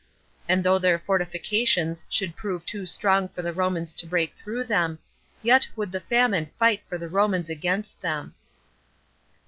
And though their fortifications should prove too strong for the Romans to break through them, yet would the famine fight for the Romans against them.